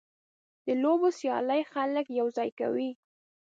د لوبو سیالۍ خلک یوځای کوي.